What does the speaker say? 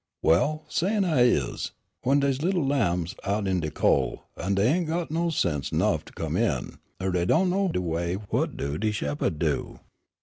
Well, sayin' I is, when dey's little lambs out in de col' an' dey ain' got sense 'nough to come in, er dey do' know de way, whut do de shepherd do?